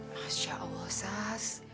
masya allah sas